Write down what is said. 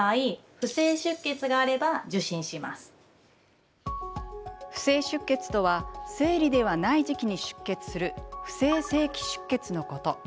不正出血とは生理ではない時期に出血する不正性器出血のこと。